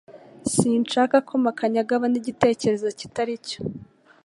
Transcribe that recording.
Sinshaka ko Makanyaga abona igitekerezo kitari cyo